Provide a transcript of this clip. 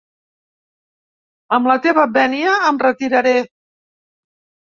Amb la teva vènia, em retiraré.